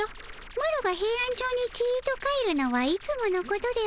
マロがヘイアンチョウにちと帰るのはいつものことでおじゃる。